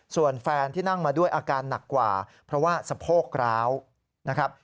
ส่วนแฟนที่นั่งมาด้วยอาการหนักกว่าเพราะว่าสะโพกร้าวนะครับ